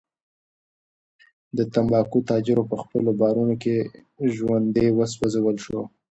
د تنباکو تاجر په خپلو بارونو کې ژوندی وسوځول شو.